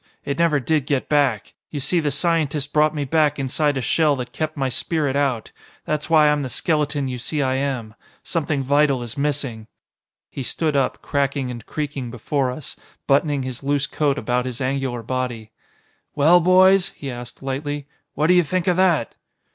It never did get back. You see, the scientist brought me back inside a shell that kept my spirit out. That's why I'm the skeleton you see I am. Something vital is missing." He stood up cracking and creaking before us, buttoning his loose coat about his angular body. "Well, boys," he asked lightly, "what do you think of that?"